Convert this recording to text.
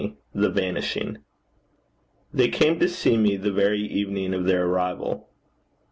THE VANISHING. They came to see me the very evening of their arrival.